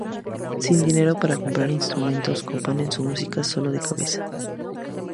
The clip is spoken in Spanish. Sin dinero para comprar instrumentos, componen su música solo de cabeza.